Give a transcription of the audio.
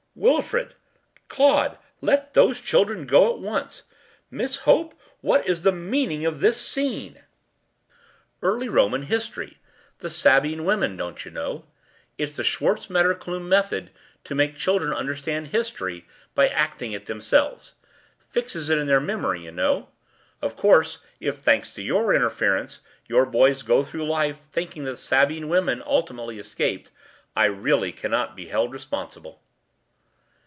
“Wilfrid! Claude! Let those children go at once. Miss Hope, what on earth is the meaning of this scene?” “Early Roman history; the Sabine Women, don’t you know? It’s the Schartz Metterklume method to make children understand history by acting it themselves; fixes it in their memory, you know. Of course, if, thanks to your interference, your boys go through life thinking that the Sabine women ultimately escaped, I really cannot be held responsible.